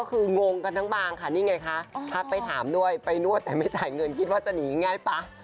คืองงมากพันสักหน่อย